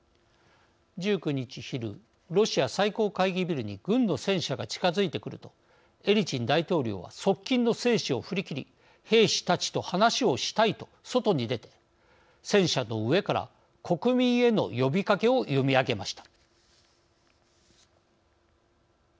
１９日昼ロシア最高会議ビルに軍の戦車が近づいてくるとエリツィン大統領は側近の制止を振り切り兵士たちと話をしたいと外に出て戦車の上から国民への呼びかけを読み上げました。